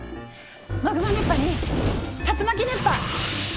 マグマ熱波に竜巻熱波。